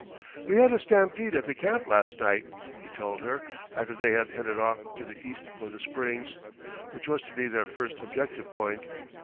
"We had a stampede at the camp last night," he told her after they had headed off to the east for the Springs, which was to be their first objective point.